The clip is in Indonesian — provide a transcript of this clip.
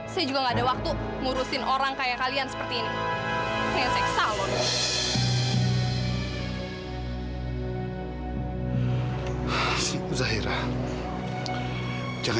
saya juga gak ada waktu ngurusin orang kayak kalian seperti ini